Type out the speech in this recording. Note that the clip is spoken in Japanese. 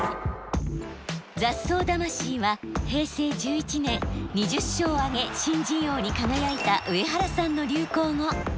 「雑草魂」は平成１１年２０勝を挙げ新人王に輝いた上原さんの流行語。